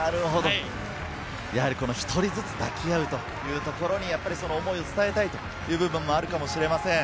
やはり１人ずつ抱きあうというところに思いを伝えたいという部分もあるかもしれません。